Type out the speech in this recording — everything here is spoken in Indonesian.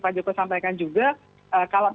pak joko sampaikan juga kalau